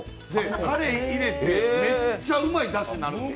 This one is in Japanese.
たれを入れてめっちゃうまいだしになるんですよ。